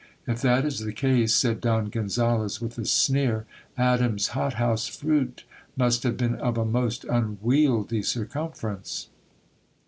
If that is the case, said Don Gonzales with a sneer, Adam's hot house fruit must have been of a most unwieldy circumference.